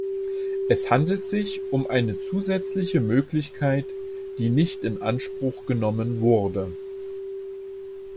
Es handelte sich um eine zusätzliche Möglichkeit, die nicht in Anspruch genommen wurde.